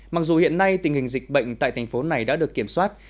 mặc dù hiện nay tình hình dịch bệnh tại thành phố này đã được kiểm soát